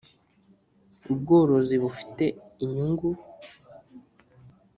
Ubworozi bufite inyungu.